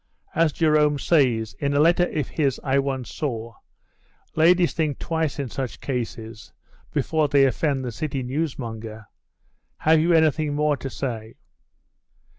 As Jerome says, in a letter of his I once saw, ladies think twice in such cases before they offend the city newsmonger. Have you anything more to say?